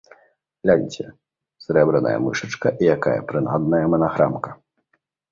Ляньце: срэбраная мышачка і якая прынадная манаграмка!